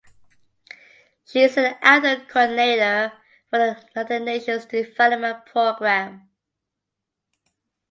She is an audit coordinator for the United Nations Development Programme.